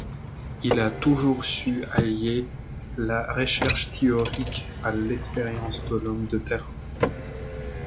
Il a toujours su allier la recherche théorique à l’expérience de l’homme de terrain.